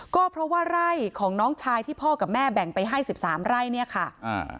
ก็เพราะว่าไร่ของน้องชายที่พ่อกับแม่แบ่งไปให้สิบสามไร่เนี่ยค่ะอ่า